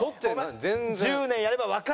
１０年やればわかるよ